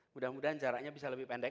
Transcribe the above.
mudah mudahan jaraknya bisa lebih pendek